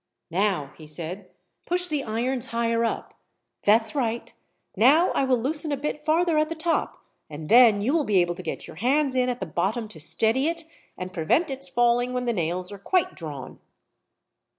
"Now," he said, "push the irons higher up. That is right. Now I will loosen a bit farther at the top, and then you will be able to get your hands in at the bottom to steady it, and prevent its falling when the nails are quite drawn."